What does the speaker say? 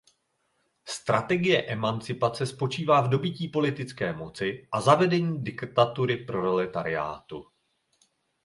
Strategie emancipace spočívá v dobytí politické moci a zavedení diktatury proletariátu.